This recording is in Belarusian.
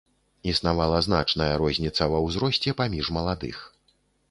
Існавала значная розніца ва ўзросце паміж маладых.